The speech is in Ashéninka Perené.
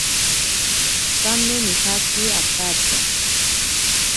Tsame nijaki akatya.